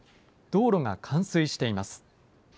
道路が冠水しています。